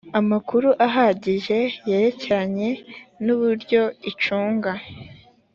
amakuru ahagije yerekeranye n uburyo icunga